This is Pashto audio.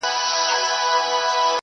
ورزش باید منظم وي.